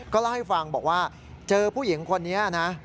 ก็เล่าให้ฟังเจอผู้หญิงคนนี้นะ